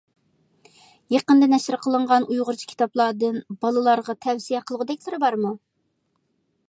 يېقىندا نەشر قىلىنغان ئۇيغۇرچە كىتابلاردىن بالىلارغا تەۋسىيە قىلغۇدەكلىرى بارمۇ؟